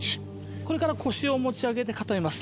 これから腰を持ち上げて固めます。